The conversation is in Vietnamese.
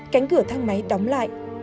cánh cửa thang máy đóng lại